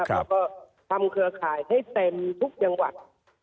แล้วก็ทำเครือข่ายให้เต็มทุกจังหวัด